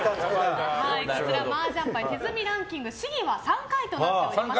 麻雀牌手積みランキング試技は３回となっています。